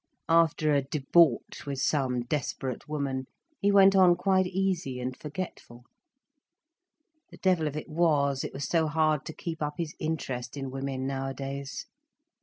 After a debauch with some desperate woman, he went on quite easy and forgetful. The devil of it was, it was so hard to keep up his interest in women nowadays.